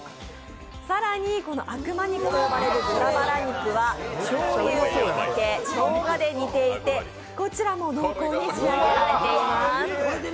更に、悪魔肉と呼ばれる豚バラ肉はしょうゆや酒、しょうがと煮込んでいて、こちらも濃厚に仕上がっています。